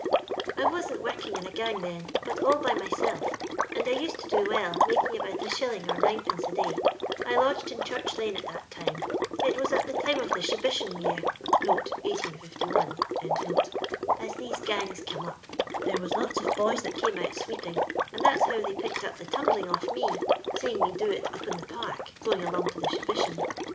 " I wasn't working in a gang then, but all by myself, and I used to do well, making about a shilling or ninepenee a day. I lodged in Church lane at that time. It was at the time of the Shibition year (1631) aa these gangs come up. There was lots of boys that oame out sweeping, and that's how they picked up the tumbling off me, seeing me do it up in the Park, going along to the Shibition.